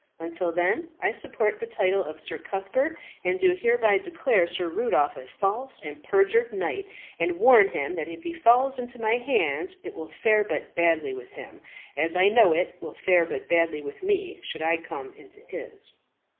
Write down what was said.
Until then, I support the title of Sir Cuthbert, and do hereby declare Sir Rudolph a false and perjured knight; and warn him that if he falls into my hands it will fare but badly with him, as I know it will fare but badly with me should I come into his."